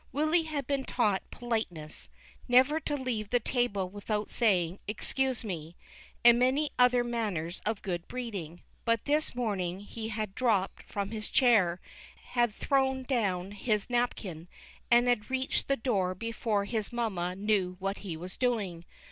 Willy had been taught politeness — never to • leave the table without saying, " Excuse me," and many other manners of good breeding ; but this morning he had dropped from his chair, had thrown down his napkin, and had reached the door before his mamma knew what he was doing.